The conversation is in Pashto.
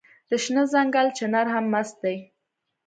د شنه ځنګل چنار هم مست دی